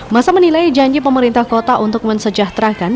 masa menilai janji pemerintah kota untuk mensejahterakan